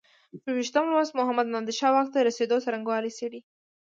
شپږویشتم لوست محمد نادر شاه واک ته رسېدو څرنګوالی څېړي.